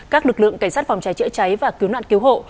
các lực lượng cảnh sát phòng cháy chữa cháy và cứu nạn cứu hộ